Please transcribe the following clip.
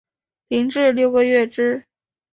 零至六个月之